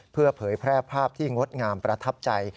เพื่อเผยแพร่ภาพที่งดงามประทับใจ